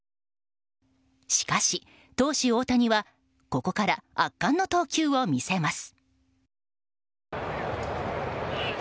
しかし、投手・大谷はここから圧巻の投球を見せます。